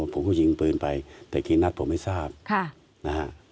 ผมก็ยิงปืนไปแต่กี่นัดผมไม่ทราบนะฮะ